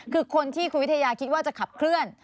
คือคนที่คุณวิทยาคิดว่าจะขับเคลื่อน